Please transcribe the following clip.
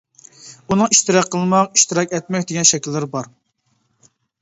ئۇنىڭ «ئىشتىراك قىلماق» ، «ئىشتىراك ئەتمەك» دېگەن شەكىللىرى بار.